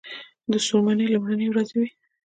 د څوړموني لومړی ورځې وې.